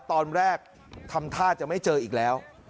ตอนแรกทำท่าจะไม่เจออีกแล้ว